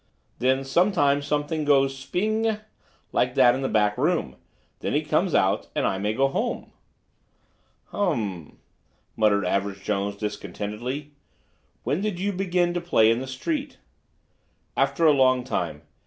"Then sometimes something goes 'sping g g g g!' like that in the back room. Then he comes out and I may go home." "Um—m," muttered Average Jones discontentedly. "When did you begin to play in the street?" "After a long time.